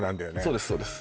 そうですそうです